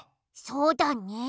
そうだね。